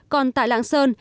còn tại lạng sơn